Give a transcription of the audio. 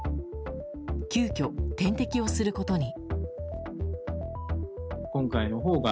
急きょ、点滴をすることに。